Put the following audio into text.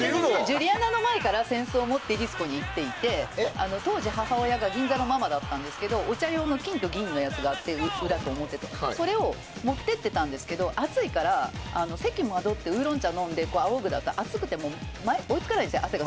ジュリアナの前から扇子を持ってディスコに行っていて当時、母親が銀座のままだったんですけどお茶用の金と銀のがあってそれを持っていってたんですけど席に戻ってウーロン茶を飲んで、踊ってでも暑いんですよ。